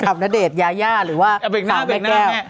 คับณเดชยาย่าหรือว่าคับแม่แก้ว